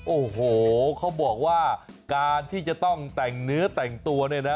โอ้โหเขาบอกว่าการที่จะต้องแต่งเนื้อแต่งตัวเนี่ยนะ